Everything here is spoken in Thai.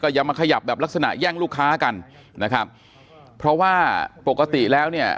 อย่ามาขยับแบบลักษณะแย่งลูกค้ากันนะครับเพราะว่าปกติแล้วเนี่ย